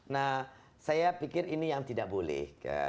nah saya pikir ini yang tidak boleh